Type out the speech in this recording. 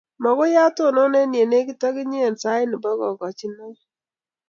mokoi atonon eng ye lekit akinye eng sait ne bo kagojinoi.